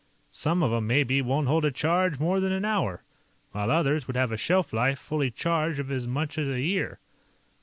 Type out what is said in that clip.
Some of 'em, maybe, wouldn't hold a charge more than an hour, while others would have a shelf life, fully charged, of as much as a year.